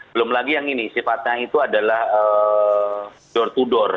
belum lagi yang ini sifatnya itu adalah door to door